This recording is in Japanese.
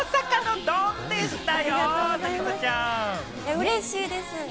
うれしいです。